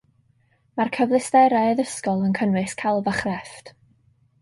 Mae'r cyfleusterau addysgol yn cynnwys celf a chrefft